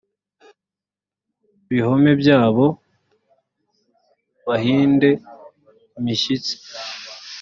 bihome byabo bahinde imishyitsi